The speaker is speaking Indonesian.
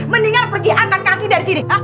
mendingan pergi angkat kaki dari sini